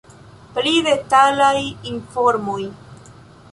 Pli detalaj informoj.